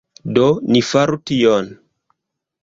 Do, ni faru tion